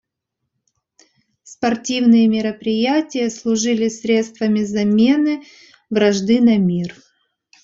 Спортивные мероприятия служили средствами замены вражды на мир.